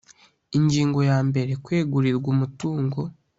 ingingo ya mbere kwegurirwa umutungo